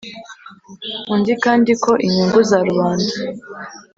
undi kandi ko inyungu za rubanda